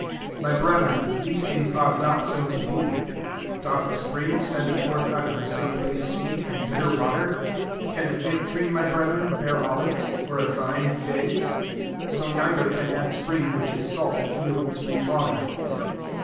My brethren, these things ought not so to be. 11 Doth a spring send forth out of the same place sweet and bitter water P 12 Can a fig tre^, my brethren, bear olives? or a vine, figs? [5o] neither can that e/irittg which is salt yield sweet water.